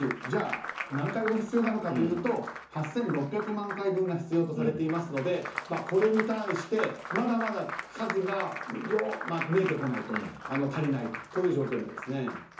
じゃあ何回分必要なのかというと８６００万回分が必要とされていますのでこれに対して、まだまだ数が足りないという状況なんです。